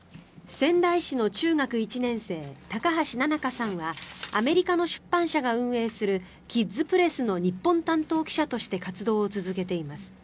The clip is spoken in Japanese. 仙台市の中学１年生高橋ななかさんはアメリカの出版社が運営するキッズプレスの日本担当記者として活動を続けています。